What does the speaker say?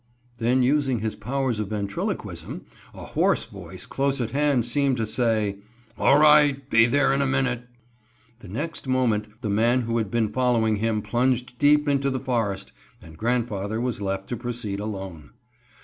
then using his powers of ventriloquism, a hoarse voice close at hand seemed to say, "All right, be there in a minute." The next moment the man who had been following him plunged deep into the forest and grandfather was left to proceed alone.